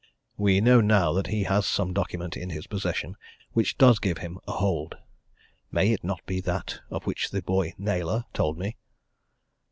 We know now that he has some document in his possession which does give him a hold may it not be that of which the boy Naylor told me?"